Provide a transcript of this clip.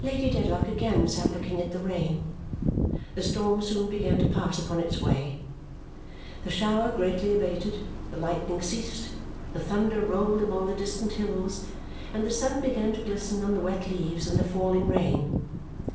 Lady Dedlock again sat looking at the rain. The storm soon began to pass upon its way. The shower greatly abated, the lightning ceased, the thunder rolled among the distant hills, and the sun began to glisten on the wet leaves and the falling rain.